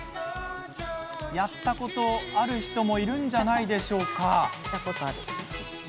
やったことある人もいるんじゃないでしょうか？